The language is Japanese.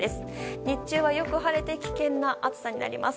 日中はよく晴れて危険な暑さになります。